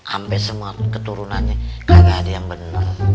ampe semangat keturunannya kagak ada yang bener